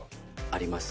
あります。